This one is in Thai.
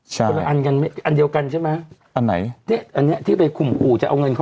ใช่อันเดียวกันใช่ไหมอันไหนอันเนี้ยที่ไปคุมข้อกูจะเอาเงินพอ